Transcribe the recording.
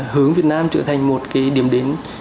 hướng việt nam trở thành một cái điểm đến